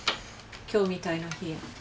今日みたいな日。